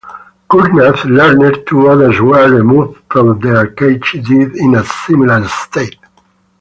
Kurnaz learned two others were removed from their cages dead in a similar state.